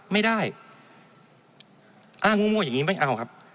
ไม่ได้อ้างงั่วอย่างนี้ไม่เอาครับ